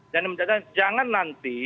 dan menjadikan jangan nanti